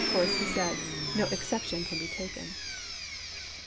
course, he said, "no exception can be taken."